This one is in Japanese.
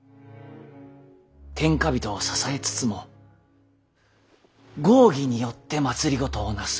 天下人を支えつつも合議によって政をなす。